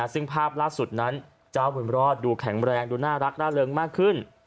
ซึ่งภาพล่าสุดนั้นเจ้าบุญรอดดูแข็งแรงดูน่ารักร่าเริงมากขึ้น